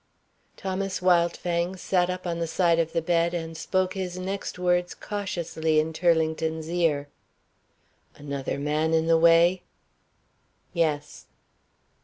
Thomas Wildfang sat up on the side of the bed, and spoke his next words cautiously in Turlington's ear. "Another man in the way?" "Yes."